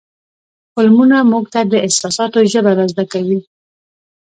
فلمونه موږ ته د احساساتو ژبه را زده کوي.